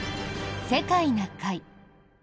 「世界な会」。